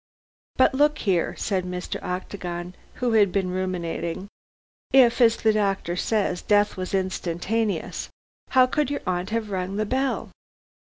"But, look here," said Mr. Octagon, who had been ruminating; "if, as the doctor says, death was instantaneous, how could your aunt have rung the bell?"